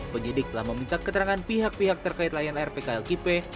penyidik telah meminta keterangan pihak pihak terkait layan rpk lkp